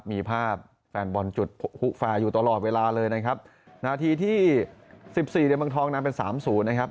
มีภาพแฟนบอลจุดฟุฟายอยู่ตลอดเวลาเลยนะครับนาทีที่๑๔ในเมืองทองนั้นเป็น๓๐นะครับ